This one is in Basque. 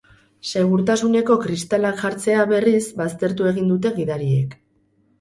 Segurtasuneko kristalak jartzea, berriz, baztertu egin dute gidariek.